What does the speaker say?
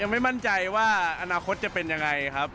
ไม่มั่นใจว่าอนาคตจะเป็นยังไงครับ